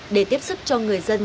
để tiếp xúc cho người dân